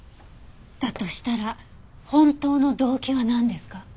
だとしたら本当の動機はなんですか？